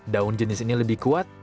daun jenis ini lebih kuat